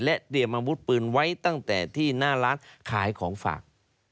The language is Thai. เตรียมอาวุธปืนไว้ตั้งแต่ที่หน้าร้านขายของฝาก